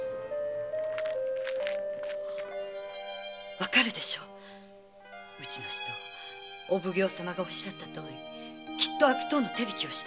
わかるでしょうちの人お奉行様がおっしゃったとおりきっと悪党の手引きをしたのよ。